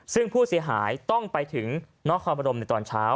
ซึ่งผู้เสียหายต้องไปถึงนครบรมในตอนเช้า